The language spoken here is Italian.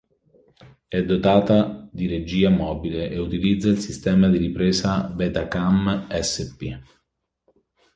È dotata di regia mobile e utilizza il sistema di ripresa Betacam Sp.